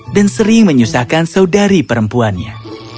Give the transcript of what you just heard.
dan sering menyusahkan saudari perempuannya